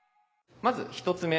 まず１つ目。